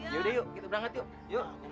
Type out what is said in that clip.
yaudah yuk gitu berangkat yuk